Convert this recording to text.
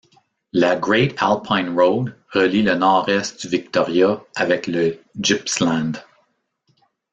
La Great Alpine Road relie le nord-est du Victoria avec le Gippsland.